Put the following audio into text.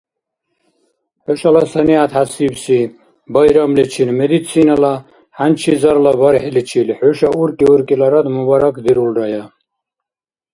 Хӏушала санигӏят хӏясибси байрамличил — медицинала хӏянчизарла Бархӏиличил — хӏуша уркӏи-уркӏиларад мубаракдирулрая!